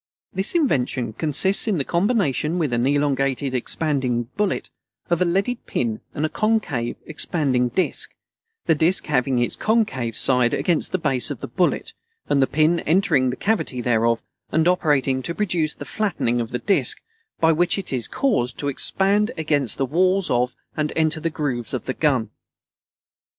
This invention consists in the combination with an elongated expanding bullet of a leaded pin and a concave expanding disc, the disc having its concave side against the base of the bullet, and the pin entering the cavity thereof and operating to produce the flattening of the disc, by which it is caused to expand against the walls of and enter the groves of the gun.